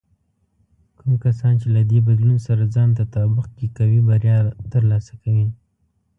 کوم کسان چې له دې بدلون سره ځان تطابق کې کوي، بریا ترلاسه کوي.